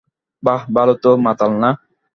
বাহ ভালো তুই মাতাল না।